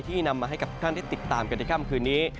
ที่นำมาให้ท่านได้ติดตามกันในค่ำคื่นนี้